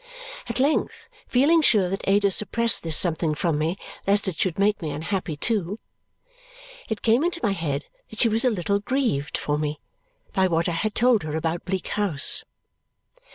At length, feeling sure that Ada suppressed this something from me lest it should make me unhappy too, it came into my head that she was a little grieved for me by what I had told her about Bleak House.